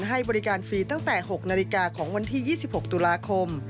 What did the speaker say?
ให้บริการฟรีตั้งแต่๖นาฬิกาของวันที่๒๖ตุลาคม